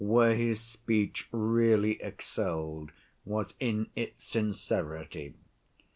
Where his speech really excelled was in its sincerity.